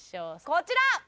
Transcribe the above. こちら！